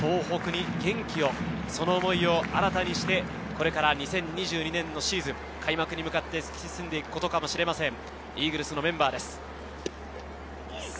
再び東北に元気を、その思いを新たにして、これから２０２２年のシーズン、開幕に向かって突き進んでいくことかもしれません、イーグルスのメンバーです